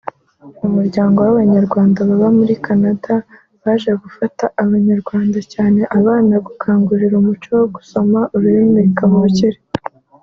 umuryango w’Abanyarwanda baba muri Canada baje gufasha Abanyarwanda cyane abana gukangukira umuco wo gusoma ururimi kavukire